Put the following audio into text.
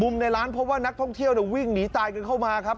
ในร้านพบว่านักท่องเที่ยววิ่งหนีตายกันเข้ามาครับ